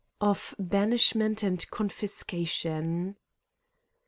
Of Banishment and Confiscation.